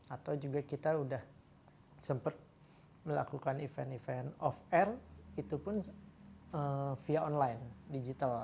atau juga kita sudah sempat melakukan event event off air itu pun via online digital